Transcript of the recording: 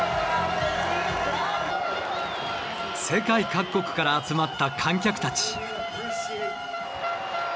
世界各国から集まった観客たち。